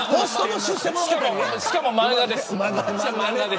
しかも漫画です。